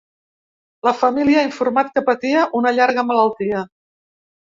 La família ha informat que patia una llarga malaltia.